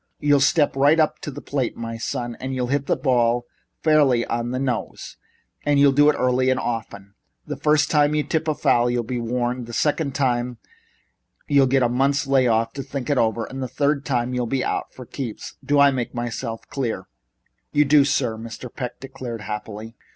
You'll step right up to the plate, my son, and you'll hit the ball fairly on the nose, and you'll do it early and often. The first time you tip a foul, you'll be warned. The second time you do it you'll get a month's lay off to think it over, and the third time you'll be out for keeps. Do I make myself clear?" "You do, sir," Mr. Peck declared happily.